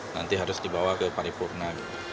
nanti harus dibawa ke paripurna